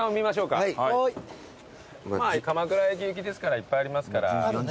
鎌倉駅行きですからいっぱいありますから。